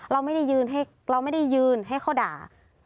เราไม่ได้ยืนให้เขาด่า